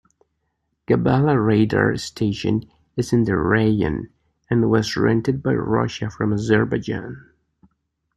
Gabala Radar Station is in the rayon and was rented by Russia from Azerbaijan.